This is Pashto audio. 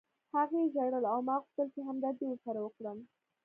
هغې ژړل او ما غوښتل چې همدردي ورسره وکړم